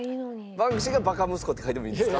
バンクシーが「バカ息子」って書いてもいいんですか？